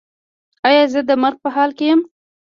ایا زه د مرګ په حال کې یم؟